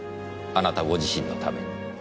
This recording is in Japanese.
あなたご自身のために。